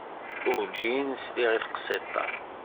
Urǧin sliɣ i teqsiḍt-a.